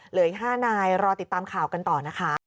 เหลืออีก๕นายรอติดตามข่าวกันต่อนะคะ